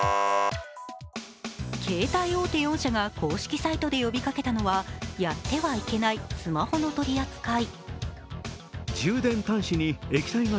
携帯大手４社が公式サイトで呼びかけたのはやってはいけないスマホの取り扱い。